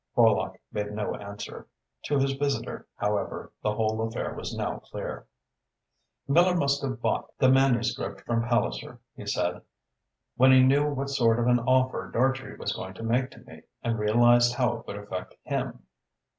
Horlock made no answer. To his visitor, however, the whole affair was now clear. "Miller must have bought the manuscript from Palliser," he said, "when he knew what sort of an offer Dartrey was going to make to me and realised how it would affect him.